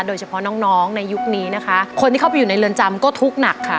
โดยเฉพาะน้องน้องในยุคนี้นะคะคนที่เข้าไปอยู่ในเรือนจำก็ทุกข์หนักค่ะ